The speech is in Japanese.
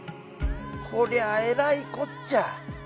「こりゃえらいこっちゃ」